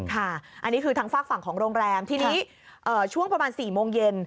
ค่ะอันนี้คือทางฝากฝั่งของโรงแรมทีนี้ช่วงประมาณ๔โมงเย็น